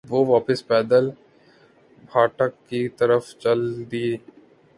وہ واپس پیدل پھاٹک کی طرف چل دی۔